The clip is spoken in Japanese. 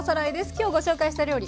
今日ご紹介した料理